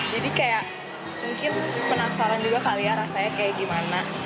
jadi kayak mungkin penasaran juga kali ya rasanya kayak gimana